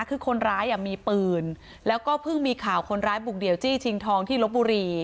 คือคนร้ายมีปืนแล้วก็เพิ่งมีข่าวคนร้ายบุกเดี่ยวจี้ชิงทองที่ลบบุรี